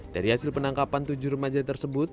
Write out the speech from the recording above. dari hasil penangkapan tujuh remaja tersebut